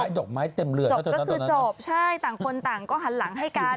จบก็คือจบใช่ต่างคนต่างก็หันหลังให้กัน